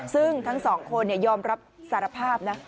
ซึ่งทั้งสองคนยอมรับสารภาพนะ